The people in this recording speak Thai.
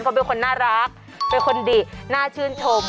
เขาเป็นคนน่ารักเป็นคนดีน่าชื่นชม